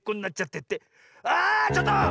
ってあちょっと！